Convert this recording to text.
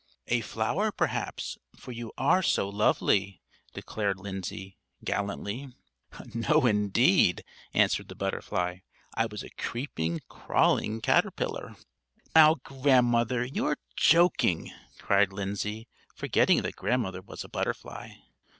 "A flower, perhaps; for you are so lovely," declared Lindsay, gallantly. "No, indeed!" answered the butterfly; "I was a creeping, crawling caterpillar." "Now, Grandmother, you're joking!" cried Lindsay, forgetting that Grandmother was a butterfly.